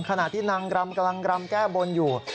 ขณะที่นางรำกรรมแก้บนอยู่